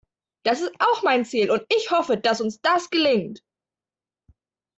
Das ist auch mein Ziel, und ich hoffe, dass uns das gelingt.